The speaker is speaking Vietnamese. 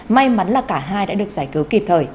may mắn là cả hai đã được giải cứu kịp thời